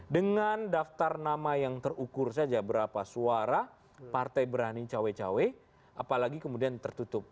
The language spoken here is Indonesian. dengan daftar nama yang terukur saja berapa suara partai berani cawe cawe apalagi kemudian tertutup